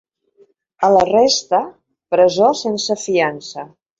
A la resta, presó sense fiança.